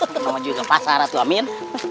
sama juga pak saratu amin